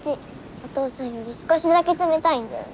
お父さんより少しだけ冷たいんだよな。